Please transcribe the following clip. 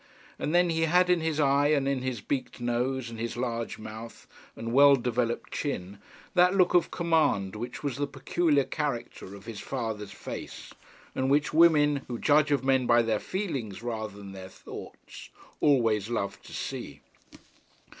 And then he had in his eye, and in his beaked nose, and his large mouth, and well developed chin, that look of command, which was the peculiar character of his father's face, and which women, who judge of men by their feelings rather than their thoughts, always love to see.